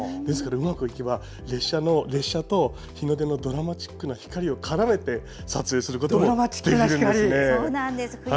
ですから、うまくいけば列車と日の出のドラマチックな光を絡めて撮影することができるんです。